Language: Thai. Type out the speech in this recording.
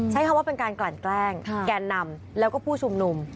ใช้คำว่าเป็นการกลั่นแกล้งแกนนำแล้วก็ผู้ชุมนุม